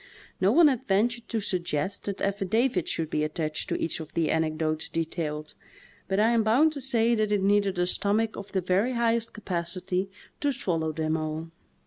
No one had ventured to suggest that affidavits should be attached to each of the anecdotes detailed, but I 10 146 THE TALKING HANDKERCHIEF. am bound to say that it needed a stomach of the very highest capacity to swallow them all.